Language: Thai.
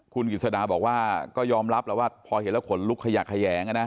คุณกิจสดาบอกว่าก็ยอมรับแล้วว่าพอเห็นแล้วขนลุกขยะแขยง